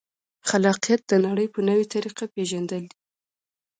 خلاقیت د نړۍ په نوې طریقه پېژندل دي.